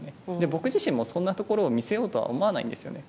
僕自身も、そんなところを見せようとは思わないんですよね。